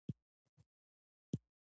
دا کافي شاپ هره ورځ ډک وي.